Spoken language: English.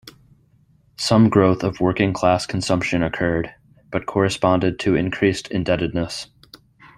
Some growth of working-class consumption occurred, but corresponded to increased indebtedness.